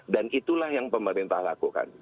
dan itulah yang pemerintah lakukan